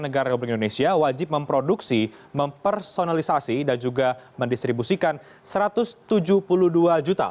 negara republik indonesia wajib memproduksi mempersonalisasi dan juga mendistribusikan satu ratus tujuh puluh dua juta